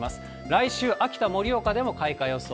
来週、秋田、盛岡でも開花予想。